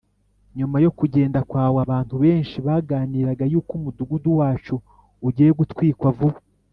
nyuma yo kugenda kwawe, abantu benshi baganiraga yuko umudugudu wacu ugiye gutwikwa vuba